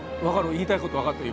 言いたいこと分かったよ